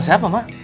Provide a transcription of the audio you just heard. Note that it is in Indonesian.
sama siapa ma